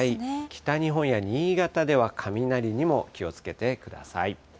北日本や新潟では雷にも気をつけてください。